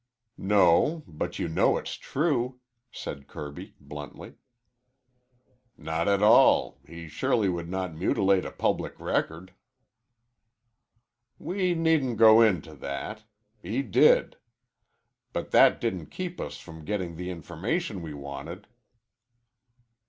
"No, but you know it's true," said Kirby bluntly. "Not at all. He surely would not mutilate a public record." "We needn't go into that. He did. But that didn't keep us from getting the information we wanted."